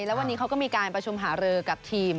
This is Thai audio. แล้ววันนี้เขาก็มีการประชุมหารือกับทีม